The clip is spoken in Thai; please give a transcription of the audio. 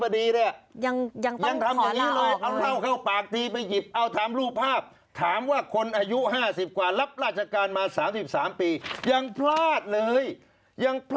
๘เดือน